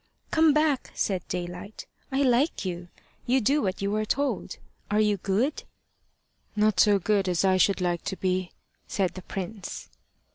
"Come back," said Daylight: "I like you. You do what you are told. Are you good?" "Not so good as I should like to be," said the prince.